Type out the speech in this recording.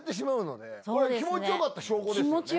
気持ちよかった証拠ですよね。